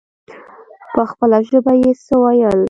په خپله ژبه يې څه ويل.